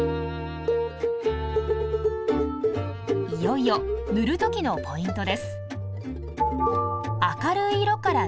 いよいよ塗る時のポイントです。